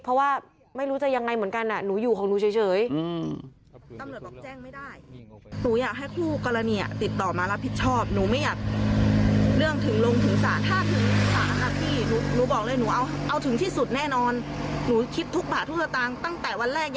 เพราะว่าไม่รู้จะยังไงเหมือนกันหนูอยู่ของหนูเฉย